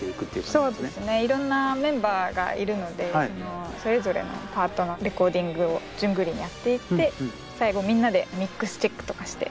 そうですねいろんなメンバーがいるのでそれぞれのパートのレコーディングを順繰りにやっていって最後みんなでミックスチェックとかして。